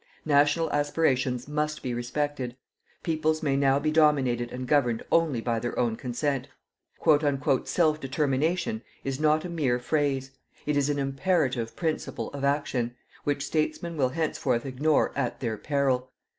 National aspirations must be respected; peoples may now be dominated and governed only by their own consent. "Self determination," is not a mere phrase. It is an imperative principle of action, which statesmen will henceforth ignore at their peril.